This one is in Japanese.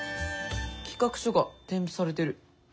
企画書が添付されてる。